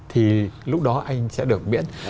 thì lúc đó anh sẽ được miễn